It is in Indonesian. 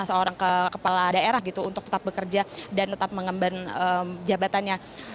seorang kepala daerah gitu untuk tetap bekerja dan tetap mengemban jabatannya